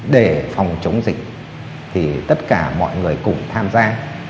để phòng chống dịch thì tất cả mọi người cùng tham gia